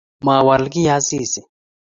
Mowol kiy Asisi